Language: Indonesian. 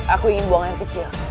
aku ingin buang air kecil